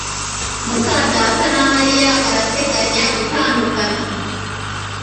muka data na Mariya barateganya gutandukana